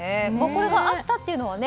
これがあったというのはね。